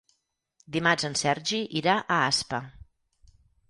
Dimarts en Sergi irà a Aspa.